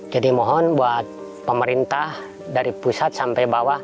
jadi mohon buat pemerintah dari pusat sampai bawah